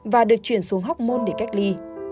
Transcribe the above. và được chuyển xuống hóc môn để cách ly